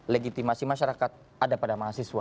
legitimasi masyarakat ada pada mahasiswa